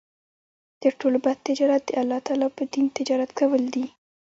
تر ټولو بَد تجارت د الله تعالی په دين تجارت کول دی